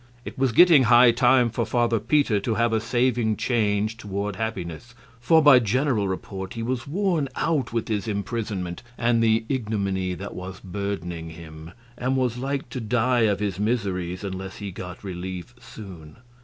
It was getting high time for Father Peter to have a saving change toward happiness, for by general report he was worn out with his imprisonment and the ignominy that was burdening him, and was like to die of his miseries unless he got relief soon.